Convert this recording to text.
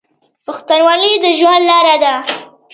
پښتونولي د ژوند لاره ده.